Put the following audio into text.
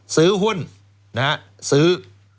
ซื้อหุ้นซื้อ